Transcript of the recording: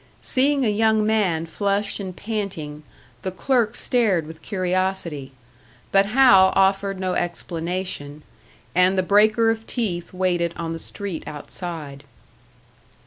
Seeing a young man flushed and panting, the clerk stared with curiosity; but Hal offered no explanation, and the breaker of teeth waited on the street outside.